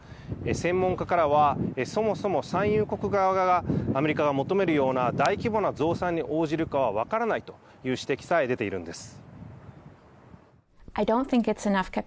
専門家からはそもそも産油国側がアメリカが求めるような大規模な増産に応じるかは分からないという指摘さえ出ているんです。